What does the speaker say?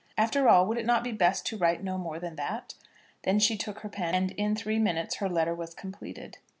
After all, would it not be best to write no more than that? Then she took her pen, and in three minutes her letter was completed.